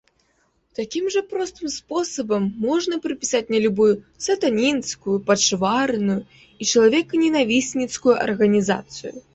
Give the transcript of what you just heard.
Такім жа простым спосабам можна прыпісаць мне любую сатанінскую, пачварную і чалавеканенавісніцкую арганізацыю.